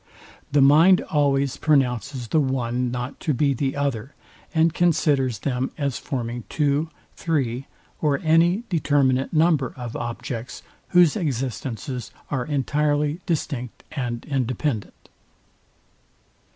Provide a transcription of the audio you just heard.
The mind always pronounces the one not to be the other, and considers them as forming two, three, or any determinate number of objects, whose existences are entirely distinct and independent.